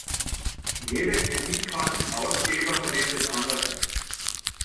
Jeder Kreditkartenausgeber verwendet andere.